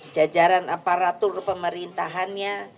jajaran aparatur pemerintahannya